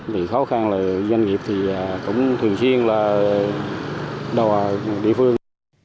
thì khó khăn là doanh nghiệp thì cũng thường xuyên là đòi địa phương